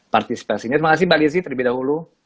partisipasi ini terima kasih mbak lizzy terlebih dahulu